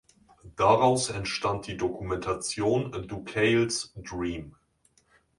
Daraus entstand die Dokumentation "Dukale’s Dream".